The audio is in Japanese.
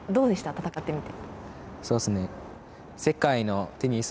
戦ってみて。